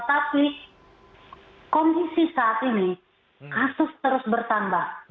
tapi kondisi saat ini kasus terus bertambah